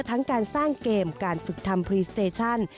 ทั้งการสร้างเกมการฝึกทำพรีสเตชั่น